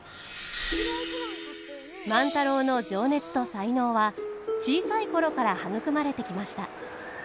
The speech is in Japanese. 万太郎の情熱と才能は小さい頃から育まれてきました。